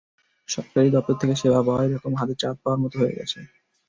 সরকারি দপ্তর থেকে সেবা পাওয়া একরকম হাতে চাঁদ পাওয়ার মতো হয়ে গেছে।